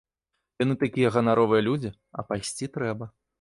Яны такія ганаровыя людзі, а пайсці трэба.